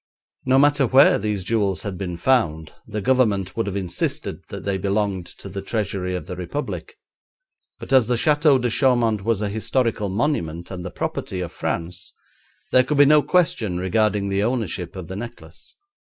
No matter where these jewels had been found the Government would have insisted that they belonged to the Treasury of the Republic; but as the Château de Chaumont was a historical monument, and the property of France, there could be no question regarding the ownership of the necklace.